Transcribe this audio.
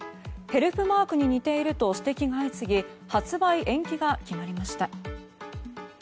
ヘルプマークに似ていると指摘が相次ぎ発売延期が決まりました。